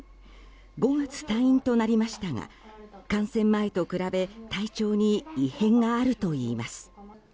５月退院となりましたが感染前と比べ体調に異変があるといいます。